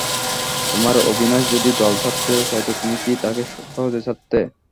তোমার অবিনাশ যদি দল ছাড়তে চাইত তুমি কি তাকে সহজে ছাড়তে?